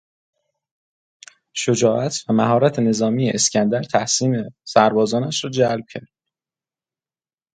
شجاعت و مهارتنظامی اسکندر تحسین سربازانش را جلب کرد.